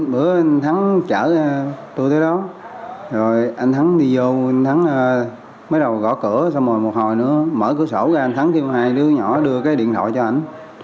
bữa anh thắng chở tôi tới đó rồi anh thắng đi vô anh thắng mới đầu gõ cửa xong rồi một hồi nữa mở cửa sổ cho anh thắng kêu hai đứa nhỏ đưa cái điện thoại cho anh